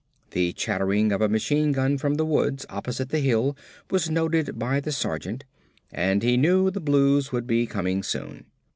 The chattering of a machine gun from the woods opposite the hill was noted by the sergeant and he knew the Blues would be coming soon.